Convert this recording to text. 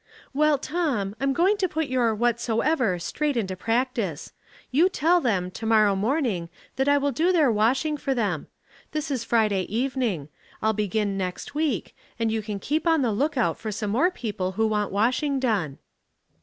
" Well, Tom, I'm going to put your ' whatso ever' straight into practice. You tell them, to morrow morning, that I will do their washing for them. This is Friday evening. I'll begin next week, and you can keep on the lookout for some more people who want washing done."